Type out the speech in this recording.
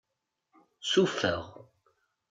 Sufeɣ.